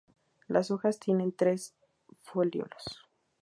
Las hojas tienen tres foliolos.